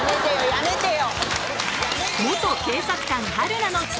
やめてよ！